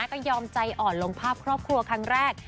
ก็ยอมใจอ่อนลงภาพครอบครัวครั้งแรก